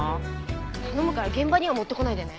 頼むから現場には持ってこないでね。